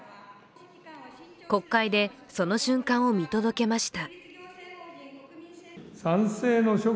国会でその瞬間を見届けました。